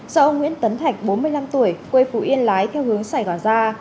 do ông nguyễn tấn thạch bốn mươi năm tuổi quê phú yên lái theo hướng sài gòn ra